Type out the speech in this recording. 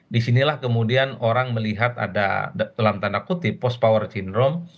disinilah kemudian orang melihat ada dalam tanda kutip post power syndrome